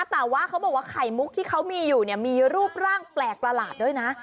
แต่ว่าเขาบอกว่าไข่มุกที่เขามีอยู่เนี่ยมีรูปร่างแปลกประหลาดด้วยนะ